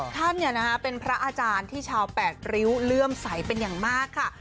ท่านเป็นพระอาจารย์ที่ชาวแปดริ้วเลื่อมใสเป็นอย่างมากค่ะ